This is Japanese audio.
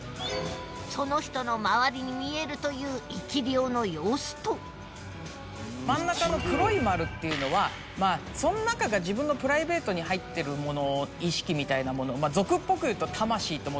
その人の周りに見えるという生き霊の様子と真ん中の黒い丸っていうのはその中が自分のプライベートに入ってるもの意識みたいなもの。